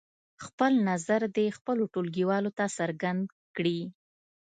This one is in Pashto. خپل نظر دې خپلو ټولګیوالو ته څرګند کړي.